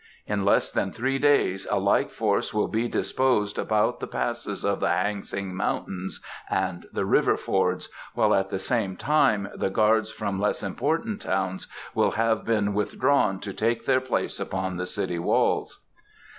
In less than three days a like force will be disposed about the passes of the Han sing mountains and the river fords, while at the same time the guards from less important towns will have been withdrawn to take their place upon the city walls."